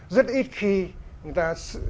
rất ít khi người ta